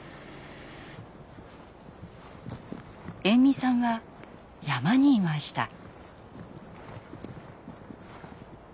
延味さんは山にいました。